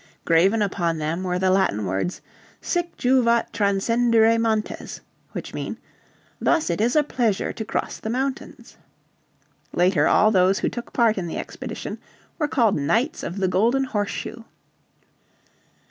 Graven upon them were the Latin words, Sic juvat transcendere montes which mean, "Thus it is a pleasure to cross the mountains." Later all those who took part in the expedition were called Knights of the Golden Horseshoe.